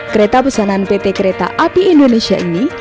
kereta pesanan pt kereta api indonesia ini